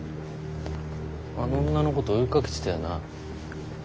あの女のこと追いかけてたよな？